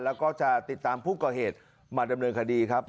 แล้วก็จะติดตามผู้ก่อเหตุมาดำเนินคดีครับ